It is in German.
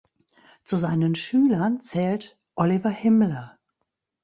Zu seinen Schülern zählt Oliver Himmler.